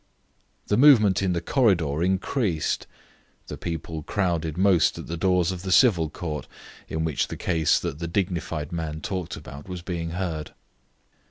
The movement in the corridor increased. The people crowded most at the doors of the Civil Court, in which the case that the dignified man talked about was being heard.